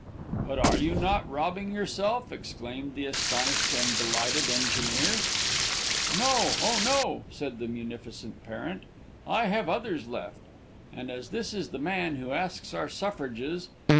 'But are you not robbing yourself?' exclaimed the astonished and delighted engineer. 'No, oh no,' said the munificent parent, 'I have others left.' And this is the man who asks our suffrages!